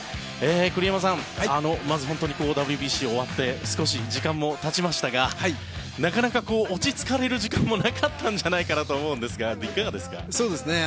栗山さん、まず本当にＷＢＣが終わって少し時間もたちましたがなかなか落ち着かれる時間もなかったんじゃないかなと思うんですがいかがですか。